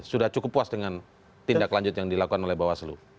sudah cukup puas dengan tindak lanjut yang dilakukan oleh bawaslu